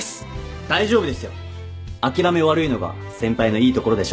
大丈夫ですよ諦め悪いのが先輩のいいところでしょ